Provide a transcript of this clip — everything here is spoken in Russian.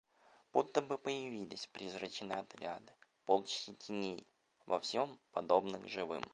Будто бы появились призрачные отряды, полчища теней, во всем подобных живым.